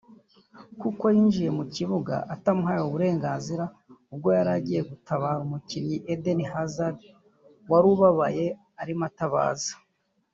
kuko ngo yinjiye mu kibuga atamuhaye uburenganzira ubwo yari agiye gutabara umukinnyi Eden Hazard wari ubabaye arimo atabaza